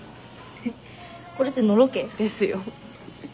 えっこれってのろけ？ですよ。